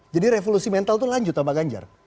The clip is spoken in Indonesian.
jadi revolusi mental itu lanjut pak ganjar